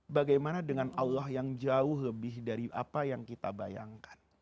bagaimana dengan allah yang jauh lebih dari apa yang kita bayangkan